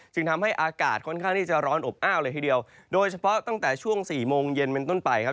ทำให้อากาศค่อนข้างที่จะร้อนอบอ้าวเลยทีเดียวโดยเฉพาะตั้งแต่ช่วงสี่โมงเย็นเป็นต้นไปครับ